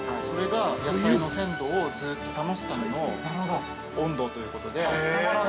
それが野菜の鮮度をずっと保つための温度ということで。